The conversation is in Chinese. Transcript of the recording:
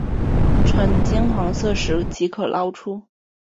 呈金黄色时即可捞出。